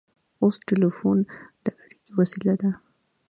اوس ټیلیفون د اړیکې وسیله ده.